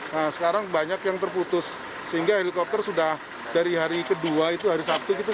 nah sekarang banyak yang terputus sehingga helikopter sudah dari hari kedua itu hari sabtu kita